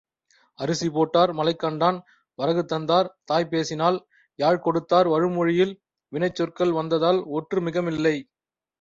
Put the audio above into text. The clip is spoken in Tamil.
அரிசி போட்டார், மலைகண்டான், வரகு தந்தார், தாய் பேசினாள், யாழ் கொடுத்தார் வருமொழியில் வினைச்சொற்கள் வந்ததால் ஒற்று மிகவில்லை.